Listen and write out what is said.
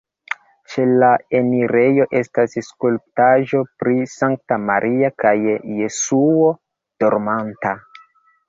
Ĉe la enirejo estas skulptaĵo pri Sankta Maria kaj Jesuo dormanta.